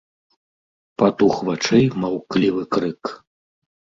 Патух вачэй маўклівы крык.